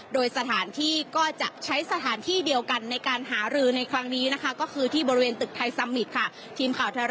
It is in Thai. โดยสถานที่ก็จะใช้สถานที่เดียวกันในการหารือในครั้งนี้นะคะก็คือที่บริเวณตึกไทยซัมมิตค่ะ